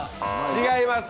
違います。